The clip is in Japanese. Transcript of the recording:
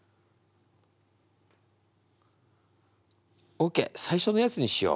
オッケー最初のやつにしよう。